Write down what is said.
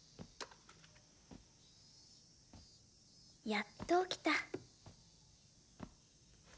やっと起きた。